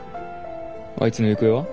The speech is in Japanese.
あいつの行方は？